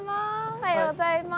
おはようございます。